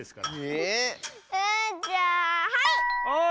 えじゃあはい！